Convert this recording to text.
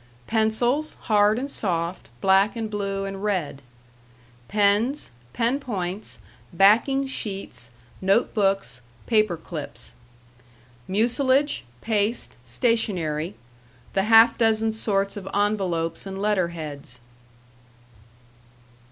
Pencils, hard and soft, black and blue and red. Pens, pen points, backing sheets, note books, paper clips. Mucilage, paste, stationery; the half dozen sorts of envelopes and letter heads.